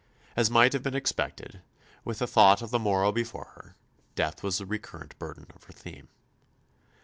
As might have been expected, with the thought of the morrow before her, death was the recurrent burden of her theme.